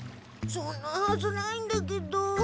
そんなはずないんだけど。